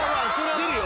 出るよ。